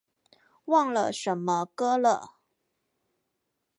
忘了什麼歌了